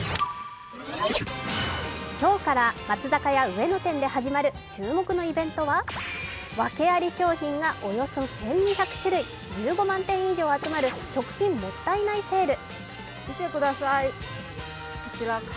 今日から松坂屋上野店で始まる注目のイベントは理由あり商品がおよそ１２００種類、１５万点以上集まる食品もったいないセール。